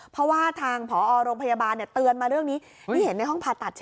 เพราะว่าทางผอโรงพยาบาลเตือนมาเรื่องนี้ที่เห็นในห้องผ่าตัดใช่ไหม